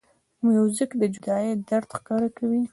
موزیک د جدایۍ درد ښکاره کوي.